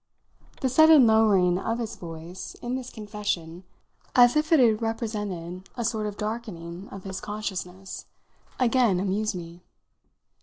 The sudden lowering of his voice in this confession as if it had represented a sort of darkening of his consciousness again amused me.